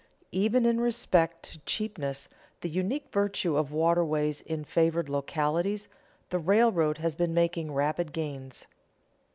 _ Even in respect to cheapness, the unique virtue of waterways in favored localities, the railroad has been making rapid gains.